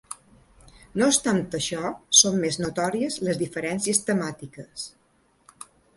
No obstant això, són més notòries les diferències temàtiques.